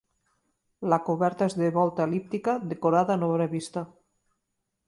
La coberta és de volta el·líptica, decorada en obra vista.